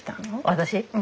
私？